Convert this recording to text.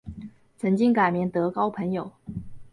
曾经改名德高朋友。